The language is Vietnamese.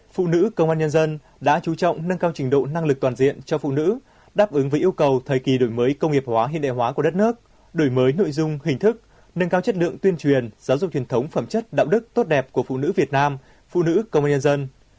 phụ nữ công an nhân dân đã chú trọng nâng cao trình độ năng lực toàn diện cho phụ nữ đáp ứng với yêu cầu thời kỳ đổi mới công nghiệp hóa hiện đại hóa của đất nước đổi mới nội dung hình thức nâng cao chất lượng tuyên truyền giáo dục truyền thống phẩm chất đạo đức tốt đẹp của phụ nữ việt nam phụ nữ công an nhân dân